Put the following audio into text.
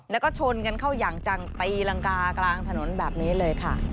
แล้วก็ชนกันเข้าอย่างจังตีรังกากลางถนนแบบนี้เลยค่ะ